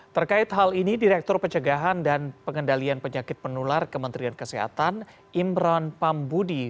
terkait hal ini direktur pencegahan dan pengendalian penyakit penular kementerian kesehatan imron pambudi